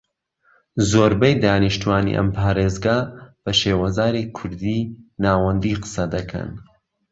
زۆربەی دانیشتوانی ئەم پارێزگا بە شێوەزاری کوردیی ناوەندی قسە دەکەن